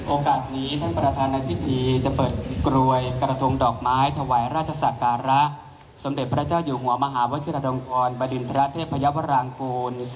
โอกาสนี้ท่านประธานในพิธีจะเปิดกรวยกระทงดอกไม้ถวายราชศักระสมเด็จพระเจ้าอยู่หัวมหาวชิรดงพรบดินทรเทพยาวรางกูล